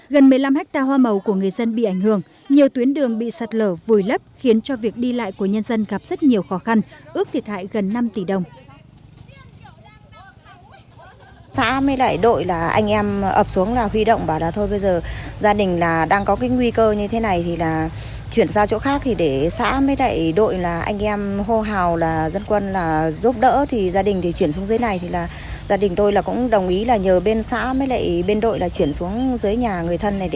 gần một mươi năm ha hoa màu của người dân bị ảnh hưởng nhiều tuyến đường bị sát lở vùi lấp khiến cho việc đi lại của nhân dân gặp rất nhiều khó khăn ước thiệt hại gần năm tỷ đồng